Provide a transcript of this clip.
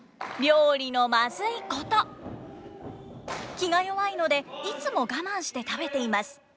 気が弱いのでいつも我慢して食べています。